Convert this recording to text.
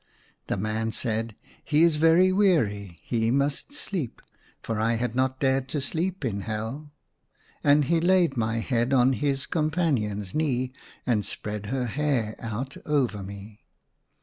The man said, "He is very weary ; he must sleep" (for I had not dared to sleep in Hell), and he laid my head on his companion's knee and spread her hair out over me.